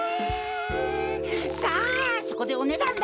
さあそこでおねだんだ！